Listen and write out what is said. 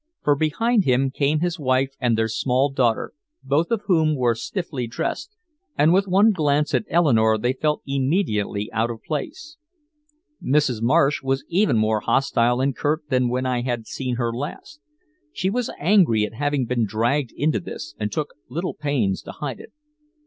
For behind him came his wife and their small daughter, both of whom were stiffly dressed, and with one glance at Eleanore they felt immediately out of place. Mrs. Marsh was even more hostile and curt than when I had seen her last. She was angry at having been dragged into this and took little pains to hide it.